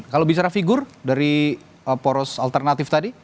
kalau bicara figur dari poros alternatif tadi